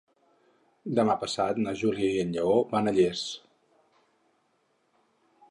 Demà passat na Júlia i en Lleó van a Llers.